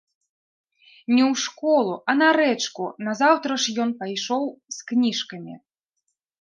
Не ў школу, а на рэчку назаўтра ж ён пайшоў з кніжкамі.